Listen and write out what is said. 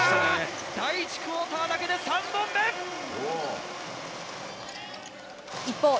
第１クオーターだけで３本目。